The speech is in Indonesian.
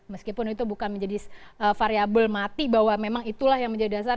meskipun itu bukan menjadi variabel mati bahwa memang itulah yang menjadi dasar